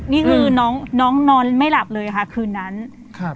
นี่คือน้องน้องนอนไม่หลับเลยค่ะคืนนั้นครับ